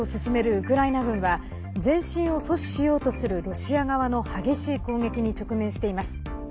ウクライナ軍は前進を阻止しようとするロシア側の激しい攻撃に直面しています。